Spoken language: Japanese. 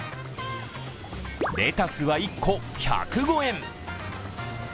レタスは１個１０５円。